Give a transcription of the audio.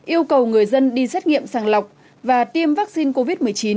yêu cầu người dân đi xét nghiệm sàng lọc và tiêm vắc xin covid một mươi chín